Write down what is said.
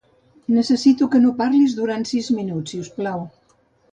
Necessito que no parlis durant uns minuts, si us plau.